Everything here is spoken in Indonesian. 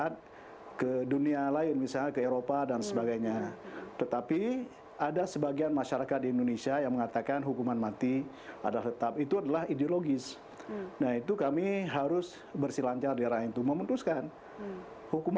terima kasih terima kasih